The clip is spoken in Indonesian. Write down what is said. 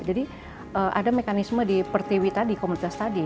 jadi ada mekanisme di pertiwi tadi komunitas tadi